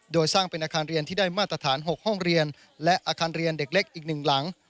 โดยสร้างเป็นอาคารเรียนที่ได้มาตรฐาน๖ห้องเรียนและอาคารเรียนเด็กเล็กอีก๑หลัง